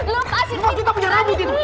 lepas kita punya rambut itu